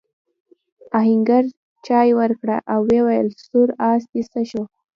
آهنګر چايي ورکړه او وویل سور آس دې څه شو؟